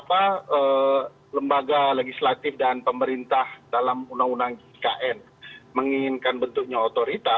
apa lembaga legislatif dan pemerintah dalam undang undang ikn menginginkan bentuknya otorita